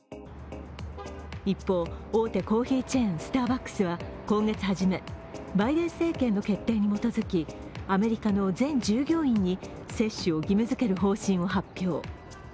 一方、大手コーヒーチェーン、スターバックスは今月はじめ、バイデン政権の決定に基づき、アメリカの全従業員に接種を義務づける方針を発表。